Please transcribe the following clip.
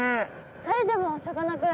えでもさかなクン。